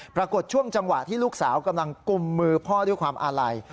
ปรากฏช่วงจังหวะที่ลูกสาวกำลังกุมมือพ่อด้วยความอาลัย